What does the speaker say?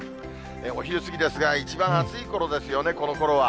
お昼過ぎですが、一番暑いころですよね、このころは。